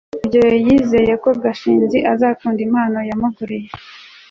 rugeyo yizeye ko gashinzi azakunda impano yamuguriye